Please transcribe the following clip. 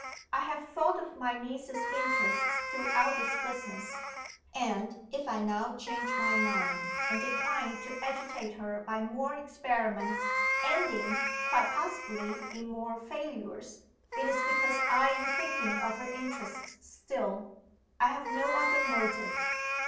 I have thought of my niece's interests throughout this business; and if I now change my mind, and decline to agitate her by more experiments, ending (quite possibly) in more failures, it is because I am thinking of her interests still. I have no other motive.